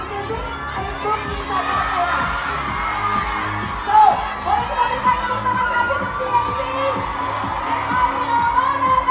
ขอบคุณมากสวัสดีครับ